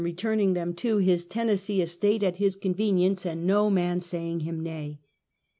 returning them to his Tennessee estate, at his conven ience, and no man saying him nay.